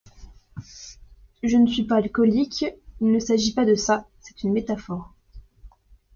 Je ne suis pas alcoolique, il ne s'agit pas de ca, c'est une métaphore.